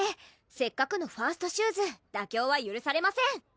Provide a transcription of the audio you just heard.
せっかくのファーストシューズ妥協はゆるされません